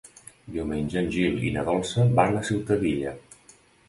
Diumenge en Gil i na Dolça van a Ciutadilla.